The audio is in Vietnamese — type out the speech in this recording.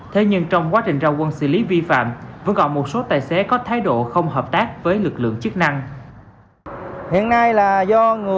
thế nhưng trong quá trình ra quân xử lý vi phạm vẫn còn một số tài xế có thái độ không hợp tác với lực lượng chức năng